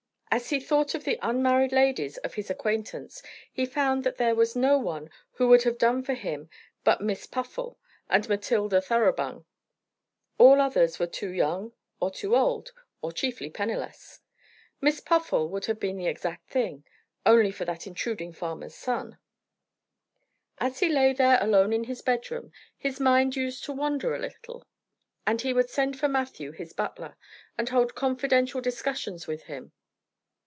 As he thought of the unmarried ladies of his acquaintance, he found that there was no one who would have done for him but Miss Puffle and Matilda Thoroughbung. All others were too young or too old, or chiefly penniless. Miss Puffle would have been the exact thing only for that intruding farmer's son. As he lay there alone in his bedroom his mind used to wander a little, and he would send for Matthew, his butler, and hold confidential discussions with him.